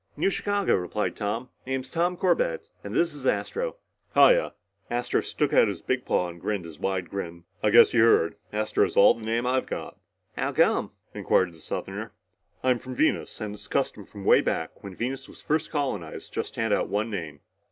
"New Chicago," replied Tom. "Name's Tom Corbett. And this is Astro." "Hiya." Astro stuck out a big paw and grinned his wide grin. "I guess you heard. Astro's all the name I've got." "How come?" inquired the Southerner. "I'm from Venus and it's a custom from way back when Venus was first colonized to just hand out one name."